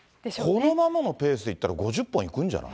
このままのペースでいったら、５０本いくんじゃない？